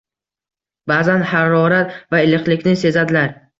Ba’zan harorat va iliqlikni sezadilar.